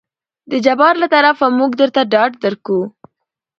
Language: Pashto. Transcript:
د جبار له طرفه موږ درته ډاډ درکو.